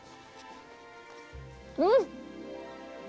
うん！